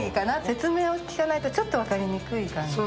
説明を聞かないとちょっと分かりにくい感じが。